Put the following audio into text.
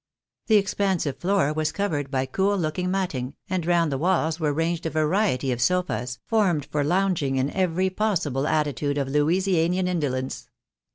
The expansive floor was covered by cool looking matting, and round the walls were ranged a variety of sofas, formed for lounging in every possible at{;itude of Louisianian indolence.